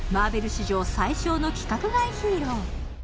史上最小の規格外ヒーロー